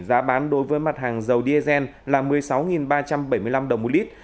giá bán đối với mặt hàng dầu diesel là một mươi sáu ba trăm bảy mươi năm đồng một lít